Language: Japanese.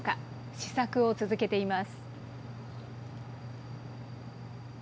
試作を続けています。